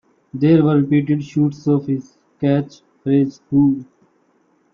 There were repeated shoots of his catch phrase Fuuuu!